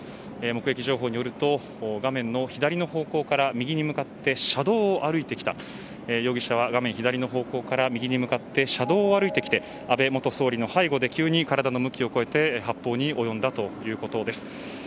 目撃情報によると画面の左の方向から右に向かって車道を歩いてきた容疑者は画面左の方向から右に向かって車道を歩いてきて安倍元総理の背後で急に体の向きを変えて発砲に及んだということです。